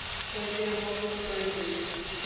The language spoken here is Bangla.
এদের মুক্ত করে দেই।